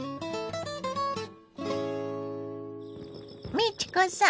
美智子さん